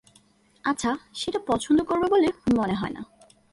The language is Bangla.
আচ্ছা, সে এটা পছন্দ করবে বলে মনে হয় না।